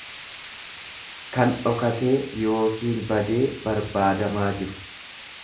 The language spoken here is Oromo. kan dhokatee yookiin badee barbaadamaa jiru.